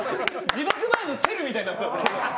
自爆前のセルみたいになってた。